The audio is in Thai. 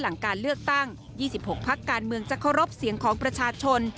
หลังการเลือกตั้ง๒๖พักการเมืองจะเคารพเสียงของประชาชน